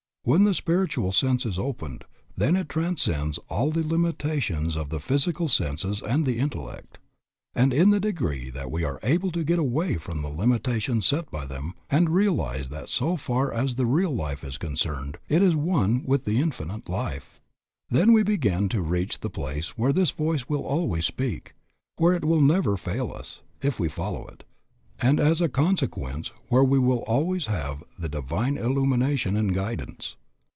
When the spiritual sense is opened, then it transcends all the limitations of the physical senses and the intellect. And in the degree that we are able to get away from the limitations set by them, and realize that so far as the real life is concerned it is one with the Infinite Life, then we begin to reach the place where this voice will always speak, where it will never fail us, if we follow it, and as a consequence where we will always have the divine illumination and guidance.